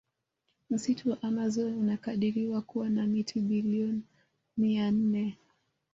Msitu wa amazon unakadiriwa kuwa na miti billion mia nne